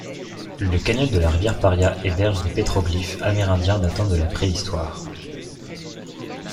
La canyon de la rivière Paria héberge des pétroglyphes amérindiens datant de la Préhistoire.